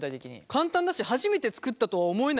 簡単だし初めて作ったとは思えない手応え。